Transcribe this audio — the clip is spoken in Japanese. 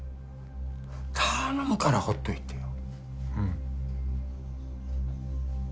頼むからほっといてよ。